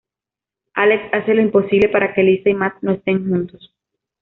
Alex hace lo imposible para que Lisa y Matt no esten juntos.